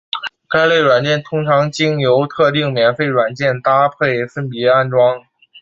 这类软件通常经由与特定免费软件搭配分别安装。